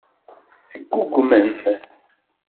Teggugmem.